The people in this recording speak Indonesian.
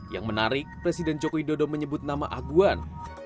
yang menarik presiden joko widodo menyebut nama aguan